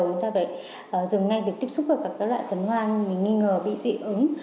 chúng ta phải dừng ngay việc tiếp xúc với các loại phấn hoa mình nghi ngờ bị dị ứng